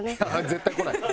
絶対来ない。